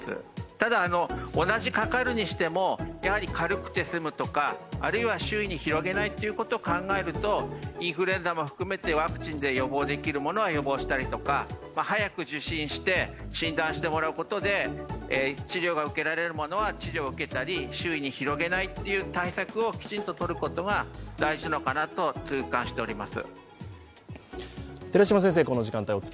ただ、同じかかるにしても、やはり軽くて済むとかあるいは周囲に広げないということを考えるとインフルエンザも含めてワクチンで予防できるものは予防したりとか早く受診して診断してもらうことで治療が受けられるものは治療を受けたり、周囲に広げない対策をきちんととることが大事なのかなと痛感しております。